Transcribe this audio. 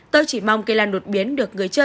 tôi chỉ mong cây lan đột biến được người chơi